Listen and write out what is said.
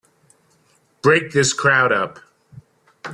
Break this crowd up!